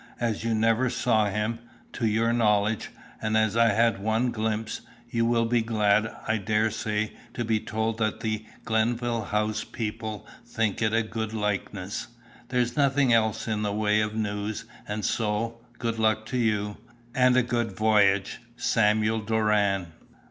As you never saw him, to your knowledge, and as I had one glimpse, you will be glad, I dare say, to be told that the Glenville House people think it a good likeness. "There's nothing else in the way of news, and so, good luck to you, and a good voyage. "SAMUEL DORAN."